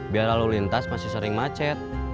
biar lalu lintas masih sering macet